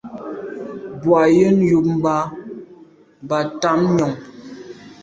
Bù à’ yə́n yúp mbɑ̂ bǎ tǎmnyɔ̀ŋ.